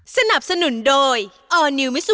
สวัสดีค่ะ